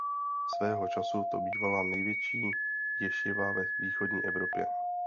Svého času to bývala největší ješiva ve východní Evropě.